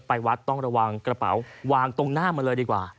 ไปวัดต้องระวังกระเป๋าวางตรงหน้ามาเลยดีกว่า